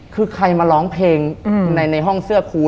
คือใครมาร้องเพลงในห้องเสื้อครู